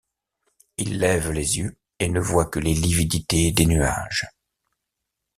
Il lève les yeux et ne voit que les lividités des nuages.